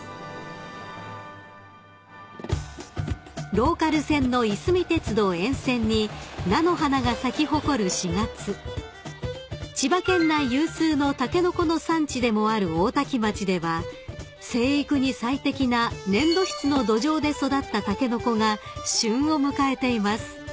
［ローカル線のいすみ鉄道沿線に菜の花が咲き誇る４月千葉県内有数のタケノコの産地でもある大多喜町では生育に最適な粘土質の土壌で育ったタケノコが旬を迎えています］